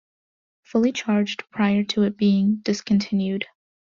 Fully Charged prior to it being discontinued.